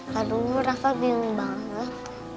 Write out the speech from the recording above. harunya aku bingung banget